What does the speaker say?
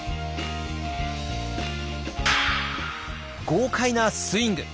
豪快なスイング！